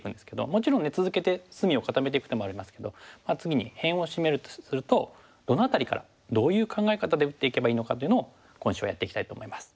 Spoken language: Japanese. もちろんね続けて隅を固めていく手もありますけど次に辺をシメるとするとどの辺りからどういう考え方で打っていけばいいのかというのを今週はやっていきたいと思います。